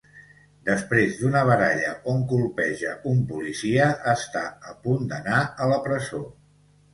Després d'una baralla on colpeja un policia, està a punt d’anar a la presó.